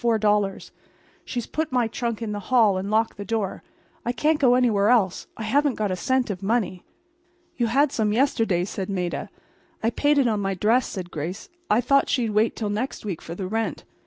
She's put my trunk in the hall and locked the door. I can't go anywhere else. I haven't got a cent of money." "You had some yesterday," said Maida. "I paid it on my dress," said Grace. "I thought she'd wait till next week for the rent."